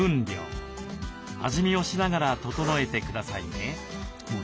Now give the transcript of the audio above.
味見をしながら調えてくださいね。